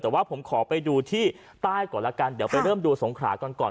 แต่ว่าผมขอไปดูที่ใต้ก่อนแล้วกันเดี๋ยวไปเริ่มดูสงขรากันก่อน